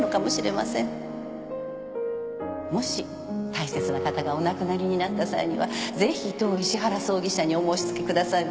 もし大切な方がお亡くなりになった際にはぜひ当石原葬儀社にお申し付けくださいませ。